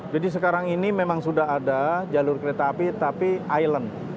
jadi sekarang ini memang sudah ada jalur kereta api tapi island